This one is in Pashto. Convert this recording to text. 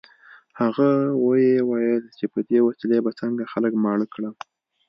هغه ویې ویل چې په دې وسیلې به څنګه خلک ماړه کړم